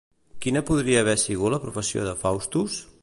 Quina podria haver sigut la professió de Faustus?